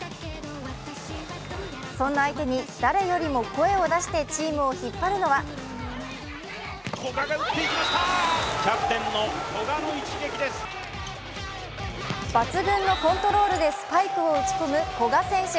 そんな相手に誰よりも声を出してチームを引っ張るのは抜群のコントロールでスパイクを打ち込む古賀選手。